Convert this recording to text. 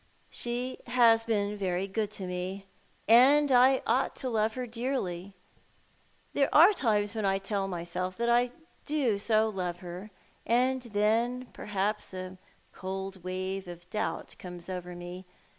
She has been very good to me, and I ought to love her dearly. There are times when I tell myself that I do so love her; aud then, perhaps, a cold wave of doubt comes over me.